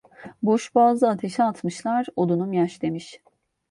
Boşboğazı ateşe atmışlar, odunum yaş demiş.